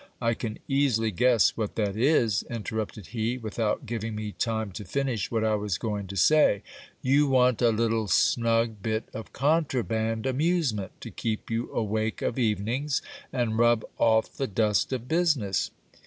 I can easily guess what that is, interrupted he, without giving me time to finish what I was going to say ; you want a little snug bit of contraband amusement, to keep you awake of evenings, and rub off the dust of business.